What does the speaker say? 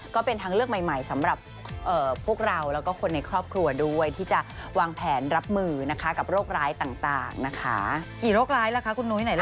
ก็เป็นทางเลือกใหม่สำหรับพวกเราแล้วก็คนในครอบครัวด้วยที่จะวางแผนรับมือกับโรคร้ายต่างนะคะกี่โรคร้ายละคะคุณนุ้ยไหนละ